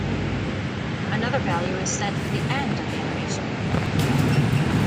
Another value is set for the end of the animation.